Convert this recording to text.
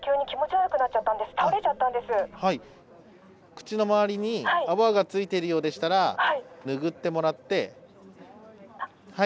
口の周りに泡が付いているようでしたらぬぐってもらって。